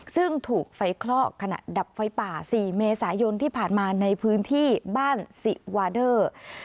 ซึ่งถูกไฟคลอกขณะดับไฟป่า๔เมษายนที่ผ่านมาในพื้นที่บ้านสิวาเดอร์